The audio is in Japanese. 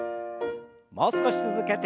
もう少し続けて。